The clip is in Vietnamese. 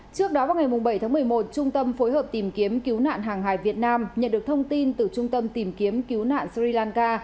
trước đó vào ngày bảy tháng một mươi một trung tâm phối hợp tìm kiếm cứu nạn hàng hải việt nam nhận được thông tin từ trung tâm tìm kiếm cứu nạn sri lanka